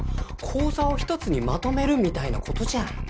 口座を１つにまとめるみたいなことじゃん。